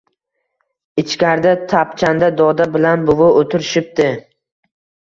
Ichkarida tapchanda doda bilan buvi o’tirishibdi.